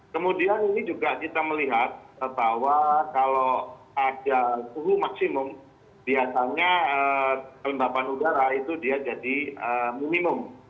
kemudian ini juga kita melihat bahwa kalau ada suhu maksimum biasanya kelembapan udara itu dia jadi minimum